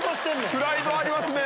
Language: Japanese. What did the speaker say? プライドありますね。